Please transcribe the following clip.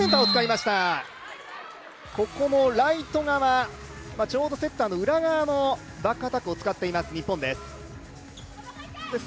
ライト側、ちょうどセッターの裏側のバックアタックを使っています日本です。